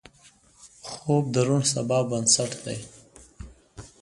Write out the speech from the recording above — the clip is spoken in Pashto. خوب د روڼ سبا بنسټ دی